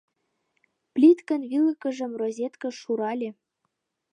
Плиткын вилкыжым розеткыш шурале.